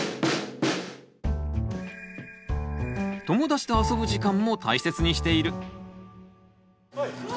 友達と遊ぶ時間も大切にしている。